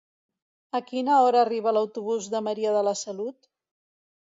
A quina hora arriba l'autobús de Maria de la Salut?